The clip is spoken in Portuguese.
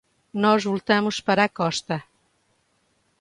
Nós voltamos para a costa.